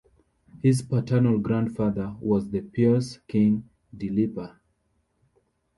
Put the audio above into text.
His paternal grandfather was the pious king Dileepa.